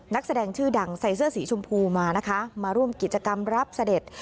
นักแสดงชื่อดังใส่เสื้อสีชมพูมานะคะมาร่วมกิจกรรมรับเสด็จ